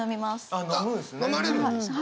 あっ飲まれるんですね。